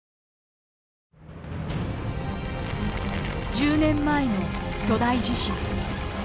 １０年前の巨大地震。